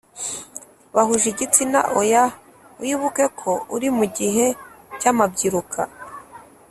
Bahuje igitsina oya wibuke ko uri mu gihe cy amabyiruka